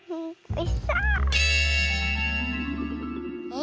え